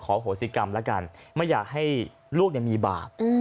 ขอโหสิกรรมแล้วกันไม่อยากให้ลูกเนี่ยมีบาปอืม